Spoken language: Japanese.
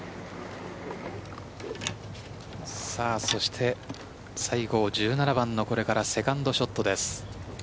そして西郷、１７番のこれからセカンドショットです。